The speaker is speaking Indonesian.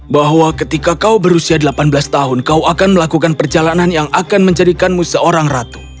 bahwa ketika kau berusia delapan belas tahun kau akan melakukan perjalanan yang akan menjadikanmu seorang ratu